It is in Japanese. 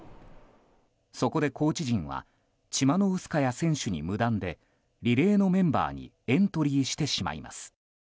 そこでコーチ陣はチマノウスカヤ選手に無断でリレーのメンバーにエントリーしてしまいます。